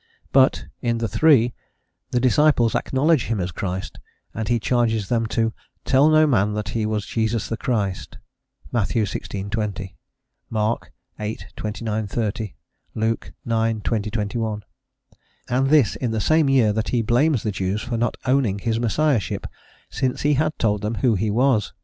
But in the three the disciples acknowledge him as Christ, and he charges them to "tell no man that he was Jesus the Christ" (Matt. xvi. 20; Mark viii. 29, 30; Luke ix. 20, 21); and this in the same year that he blames the Jews for not owning this Messiahship, since he had told them who he was.